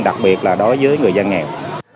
đặc biệt là đối với người dân nghèo